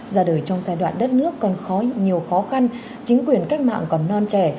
già đời trong giai đoạn đất nước còn khói nhiều khó khăn chính quyền cách mạng còn non trẻ